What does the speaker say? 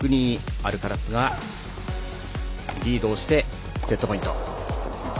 アルカラスがリードをしてセットポイント。